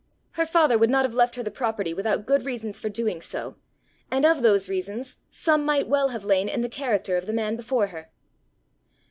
Her father would not have left her the property without good reasons for doing so; and of those reasons some might well have lain in the character of the man before her!